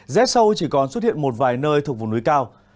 rét sâu chỉ còn xuất hiện một vài nơi thuộc vùng núi cao